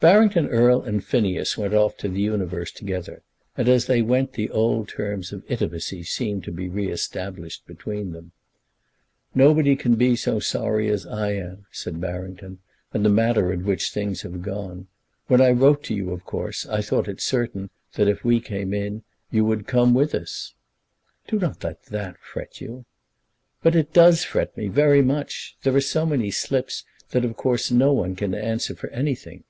Barrington Erle and Phineas went off to The Universe together, and as they went the old terms of intimacy seemed to be re established between them. "Nobody can be so sorry as I am," said Barrington, "at the manner in which things have gone. When I wrote to you, of course, I thought it certain that, if we came in, you would come with us." "Do not let that fret you." "But it does fret me, very much. There are so many slips that of course no one can answer for anything."